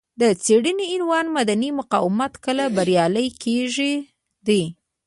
د څېړنې عنوان مدني مقاومت کله بریالی کیږي دی.